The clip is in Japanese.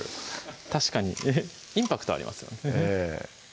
確かにインパクトありますよねええ